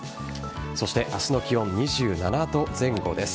そして明日の気温２７度前後です。